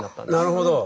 なるほど。